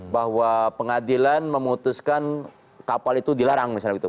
bahwa pengadilan memutuskan kapal itu dilarang misalnya begitu